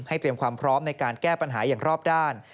เตรียมความพร้อมในการแก้ปัญหาอย่างรอบด้าน